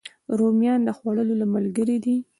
رومیان د خوړو له ملګرو دي